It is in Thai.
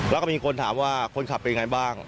แล้วก็มีคนถามว่าคนขับเป็นยังไงบ้าง